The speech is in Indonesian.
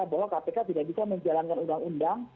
bahwa kpk tidak bisa menjalankan undang undang